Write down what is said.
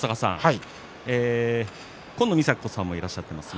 紺野美沙子さんもいらっしゃっています。